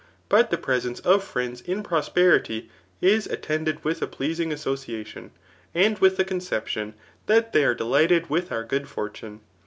But the pre sence of friends in prosperity is attended with a pleadng association, and with the conceptbn that they are de lighted with our good fortune.